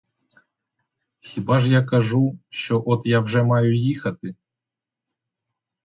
Хіба ж я кажу, що от я вже маю їхати?